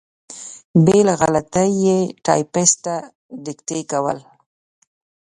بې له غلطۍ یې ټایپېسټ ته دیکته کول.